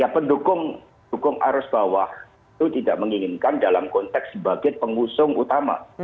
ya pendukung arus bawah itu tidak menginginkan dalam konteks sebagai pengusung utama